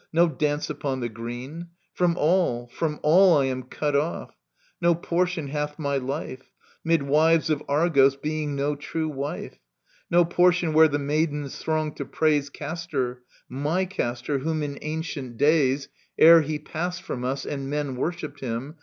No dance upon the green ! From all, from all I am cut off. No portion hath my life 'Mid wives of Argos, being no true wife. No portion where the maidens throng to praise Gistor — my Castor, whom in ancient days, Digitized by VjOOQIC ELECTRA 23 Ere he passed from us and men worshipped him.